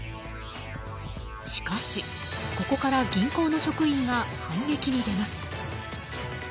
しかし、ここから銀行の職員が反撃に出ます。